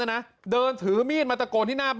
นั่นแหละครับ